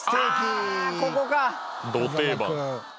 ど定番。